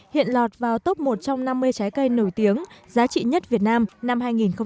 hiện lọt vào top một trong năm mươi trái cây nổi tiếng giá trị nhất việt nam năm hai nghìn một mươi tám